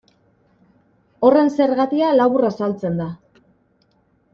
Horren zergatia labur azaltzen da.